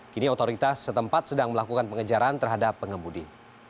kini otoritas setempat sedang melakukan pengejaran terhadap pengemudi